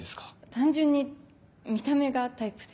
単純に見た目がタイプで。